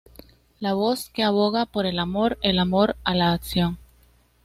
La voz que aboga por el amor, el amor a la acción.